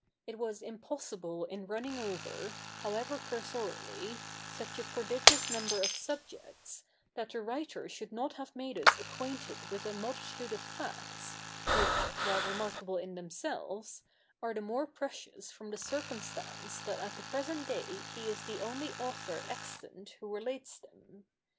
It was impossible in running over, however cursorily, such a prodigious number of subjects, that the writer should not have made us acquainted with a multitude of facts, which, while remarkable in themselves, are the more precious from the circumstance that at the present day he is the only author extant who relates them.